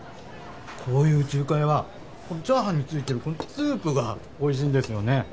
こういう中華屋はこのチャーハンについてるこのスープがおいしいんですよね。